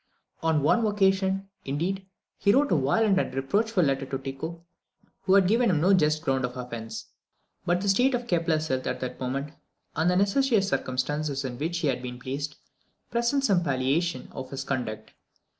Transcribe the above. On one occasion, indeed, he wrote a violent and reproachful letter to Tycho, who had given him no just ground of offence; but the state of Kepler's health at that moment, and the necessitous circumstances in which he had been placed, present some palliation of his conduct.